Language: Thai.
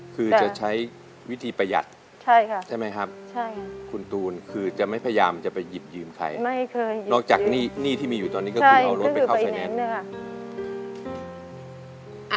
คือจะใช้วิธีประหยัดใช่ไหมครับคุณตูนคือจะไม่พยายามจะไปหยิบยืมใครไม่เคยนอกจากหนี้ที่มีอยู่ตอนนี้ก็คือเอารถไปเข้าคะแนน